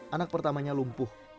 anak pertamanya lumpuh